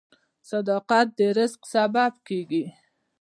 • صداقت د رزق سبب کیږي.